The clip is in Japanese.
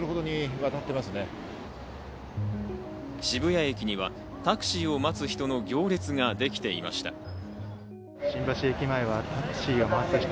渋谷駅にはタクシーを待つ人の行列ができていました。